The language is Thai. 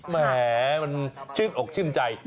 แหมมันชื่นอกชื่นใจ